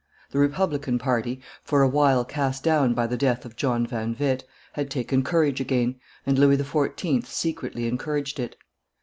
The republican party, for a while cast down by the death of John van Witt, had taken courage again, and Louis XIV. secretly encouraged it.